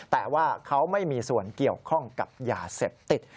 แต่ว่าเขาไม่มีส่วนเกี่ยวข้องกับยาเสพติด